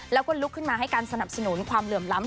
แล้วก็ลุกขึ้นมาให้การสนับสนุนความเหลื่อมล้ำ